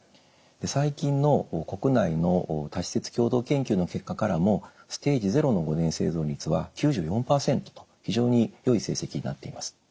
最近の国内の多施設共同研究の結果からもステージ０の５年生存率は９４％と非常によい成績になっています。